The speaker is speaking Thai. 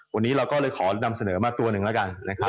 วันนี้เราก็เลยขอดำเสนอมาตัวนึงล่ะกัน